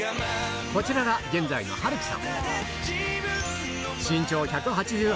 こちらが現在の晴稀さん